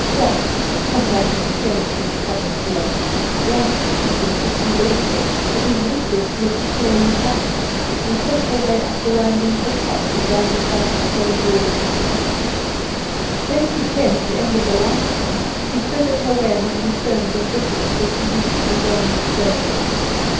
Doss, not liking the change from the cabin's warmth, ran quickly to the kitchen doorstep; but his mistress walked slowly past him, and took her way up the winding footpath that ran beside the stone wall of the camps. When she came to the end of the last camp, she threaded her way among the stones and bushes till she reached the German's grave.